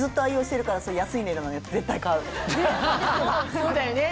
そうだよね。